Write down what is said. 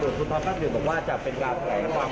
คุณพระพัทธิ์บอกว่าจะเป็นการแถลง